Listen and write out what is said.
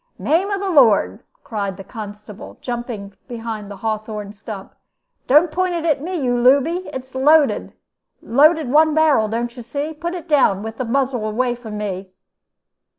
"'Name of the Lord!' cried the constable, jumping behind the hawthorn stump; 'don't point it at me, you looby! It's loaded, loaded one barrel, don't you see? Put it down, with the muzzle away from me.'